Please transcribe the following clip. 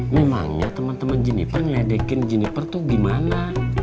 memangnya teman teman jeniper ngiledekin jeniper tuh gimana